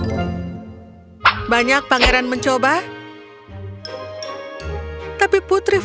apun yang era pangeran semua mencoba katakan tidak menuju terhadapmu